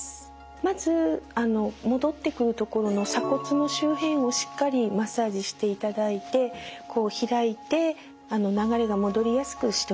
まず戻ってくるところの鎖骨の周辺をしっかりマッサージしていただいてこう開いて流れが戻りやすくしておきます。